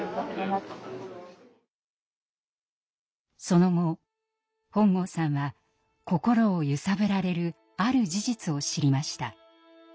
その後本郷さんは心を揺さぶられるある事実を知りました。